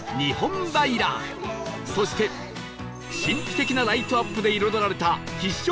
そして神秘的なライトアップで彩られた必勝